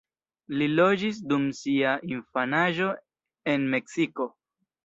Li loĝis dum sia infanaĝo en Meksiko.